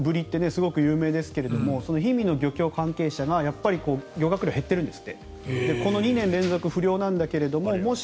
富山のブリってすごく有名ですがその氷見の漁業関係者が漁獲量が減っているんですって。